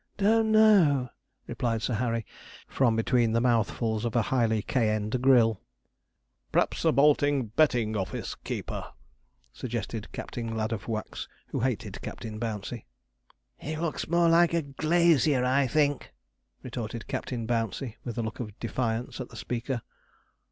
'Don't know,' replied Sir Harry, from between the mouthfuls of a highly cayenned grill. 'P'raps a bolting betting office keeper,' suggested Captain Ladofwax, who hated Captain Bouncey. 'He looks more like a glazier, I think,' retorted Captain Bouncey, with a look of defiance at the speaker.